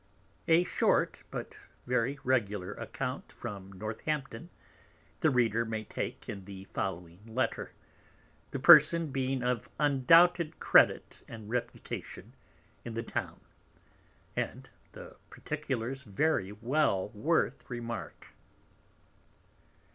A short, but very regular Account, from Northampton, the Reader may take in the following Letter; the Person being of undoubted Credit and Reputation in the Town, and the Particulars very well worth remark.